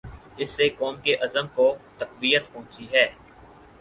اس سے قوم کے عزم کو تقویت پہنچی ہے۔